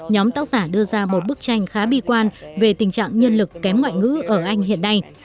nhóm tác giả đưa ra một bức tranh khá bi quan về tình trạng nhân lực kém ngoại ngữ ở anh hiện nay